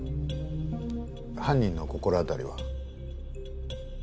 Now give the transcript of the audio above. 犯人の心当たりは？